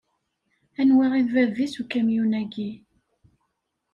Anwa i d bab-is ukamyun-aki?